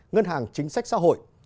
ngân hàng chính sách xã hội